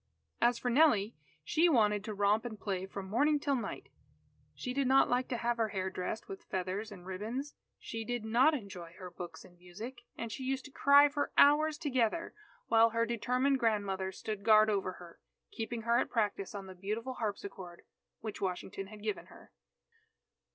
As for Nellie, she wanted to romp and play from morning till night. She did not like to have her hair dressed with feathers and ribbons. She did not enjoy her books and music. And she used to cry for hours together, while her determined grandmother stood guard over her, keeping her at practice on the beautiful harpsichord, which Washington had given her.